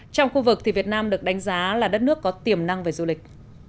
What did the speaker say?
trong khu vực việt nam được đánh giá là đất nước có tiềm năng về du lịch